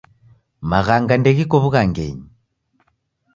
Maghanga ndeghiko w'ughangenyi.